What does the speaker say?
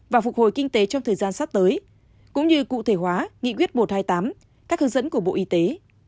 và phục hồi kinh tế trong thời gian sắp tới cũng như cụ thể hóa nghị quyết một trăm hai mươi tám các hướng dẫn của bộ y tế